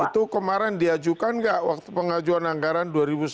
itu kemarin diajukan nggak waktu pengajuan anggaran dua ribu sembilan belas